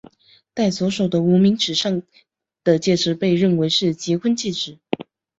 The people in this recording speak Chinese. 戴左手的无名指上的戒指被认为是结婚戒指。